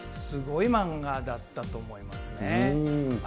すごい漫画だったと思いますね。